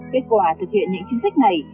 kết quả thực hiện những chính sách này